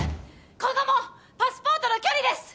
今後もパスポートの距離です！